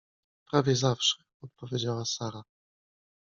— Prawie zawsze — odpowiedziała Sara.